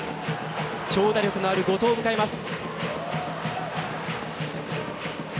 長打力のある後藤を迎えます。